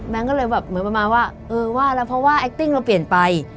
ก็เลยแบบเหมือนประมาณว่าเออว่าแล้วเพราะว่าแอคติ้งเราเปลี่ยนไป